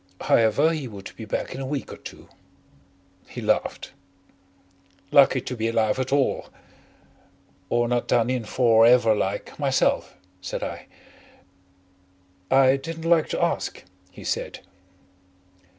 However, he would be back in a week or two. He laughed. "Lucky to be alive at all." "Or not done in for ever like myself," said I. "I didn't like to ask " he said.